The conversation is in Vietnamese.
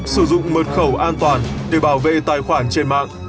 sử dụng mật khẩu an toàn để bảo vệ tài khoản trên mạng